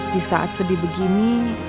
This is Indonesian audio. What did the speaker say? di saat sedih begini